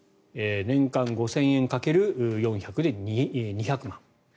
年間５０００円掛ける４００で２００万円。